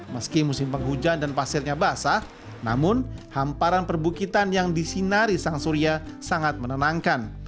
meski musim penghujan dan pasirnya basah namun hamparan perbukitan yang disinari sang surya sangat menenangkan